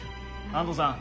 安藤さん